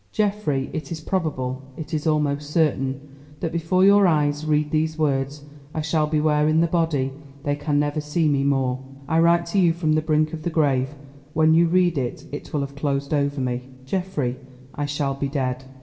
"Geoffrey, it is probable—it is almost certain—that before your eyes read these words I shall be where in the body they can never see me more. I write to you from the brink of the grave; when you read it, it will have closed over me. "Geoffrey, I shall be dead.